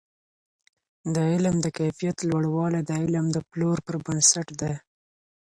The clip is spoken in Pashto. د علم د کیفیت لوړوالی د علم د پلور پر بنسټ دی.